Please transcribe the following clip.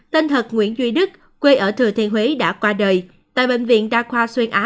tên thật nguyễn duy đức quê ở thừa thiên huế đã qua đời tại bệnh viện đa khoa xuyên á